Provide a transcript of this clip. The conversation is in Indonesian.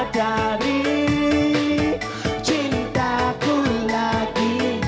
dari cintaku lagi